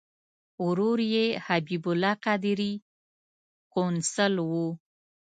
ورور یې حبیب الله قادري قونسل و.